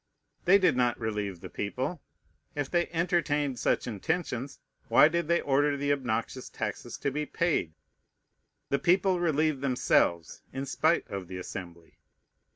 They did not relieve the people. If they entertained such intentions, why did they order the obnoxious taxes to be paid? The people relieved themselves, in spite of the Assembly.